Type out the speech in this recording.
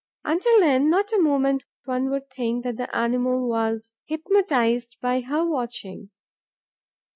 Until then, not a movement: one would think that the animal was hypnotized by her watching.